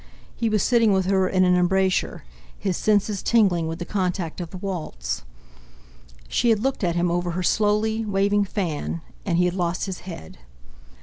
He was sitting with her in an embrasure, his senses tingling with the contact of the waltz. She had looked at him over her slowly waving fan; and he had lost his head.